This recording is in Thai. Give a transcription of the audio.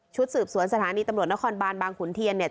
สืบสวนสถานีตำรวจนครบานบางขุนเทียนเนี่ย